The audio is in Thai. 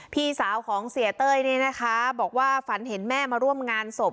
พี่สาวของเศรียเต้ยบอกว่าฝันเห็นแม่มาร่วมงานสบ